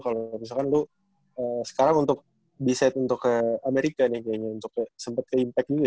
kalau misalkan lu sekarang untuk decide untuk ke amerika nih kayaknya untuk sempet ke impact dulu ya